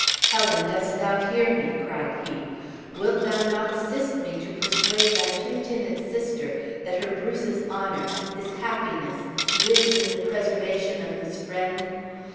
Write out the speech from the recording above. Helen dost thou hear me?" cried he: "Wilt thou not assist me to persuade thy too timid sister that her Bruce's honor, his happiness, lives in the preservation of his friend?